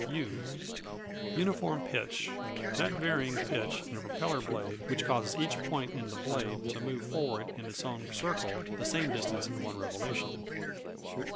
U Uniform Pitch That varying pitch in a propeller blade which causes each point in the blade to move forward in its own circle the same distance in one revolution.